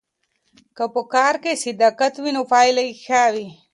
که په کار کې صداقت وي نو پایله یې ښه وي.